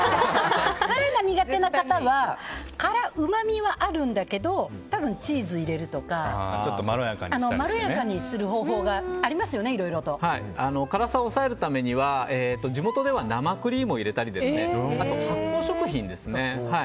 辛いのが苦手な方は辛うまみはあるんだけど多分、チーズを入れるとかまろやかにする方法が辛さを抑えるためには地元では生クリームを入れたりとかあとは発酵食品ですね。